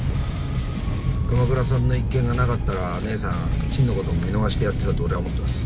熊倉さんの一件がなかったら姐さん陳のことも見逃してやってたと俺は思ってます。